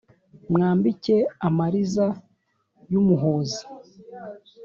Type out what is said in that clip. mwambike amariza y’umuhozi